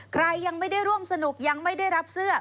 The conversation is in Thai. ใครยังไม่ได้ร่วมสนุกยังไม่ได้รับเสื้อ